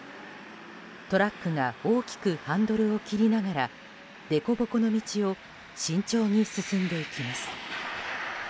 トラックが大きくハンドルを切りながらでこぼこの道を慎重に進んでいきます。